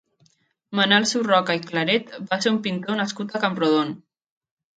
Manel Surroca i Claret va ser un pintor nascut a Camprodon.